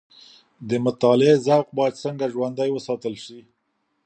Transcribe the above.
د مطالعې ذوق باید څنګه ژوندی وساتل سي؟